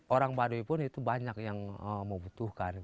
orang baduy pun itu banyak yang membutuhkan